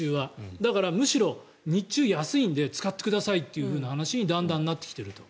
だから、むしろ日中、安いんで使ってくださいという話にだんだんなってきていると。